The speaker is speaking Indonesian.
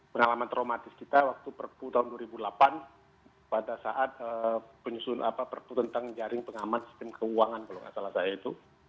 pengalaman traumatis kita waktu perpu tahun dua ribu delapan pada saat penyusun apa perpu tentang jaring pengamat sistem keuangan kalau nggak salah saya itu